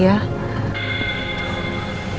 aku tak paham